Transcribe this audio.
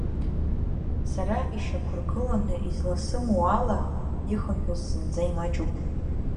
Сара ишьақәыргыланы изласымоу ала, ихынҳәыз зынӡа имаҷуп.